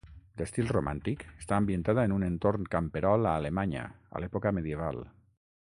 D'estil romàntic, està ambientada en un entorn camperol a Alemanya a l'època medieval.